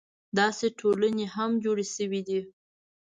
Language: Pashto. داسې ټولنې هم جوړې شوې دي.